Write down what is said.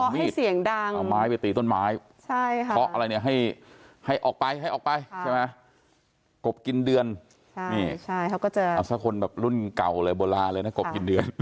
มีดให้เสียงดังเอาม้าไปตีต้นไม้ครบกินเดือนเอาซักคนบราบุลาเลยนะครบกินเดือน